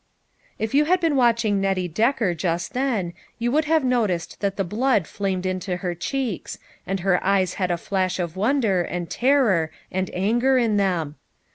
If you had been watching Nettie Decker just then you would have noticed that the blood flamed into her cheeks, and her eyes had a flash of wonder, and terror, and anger in them.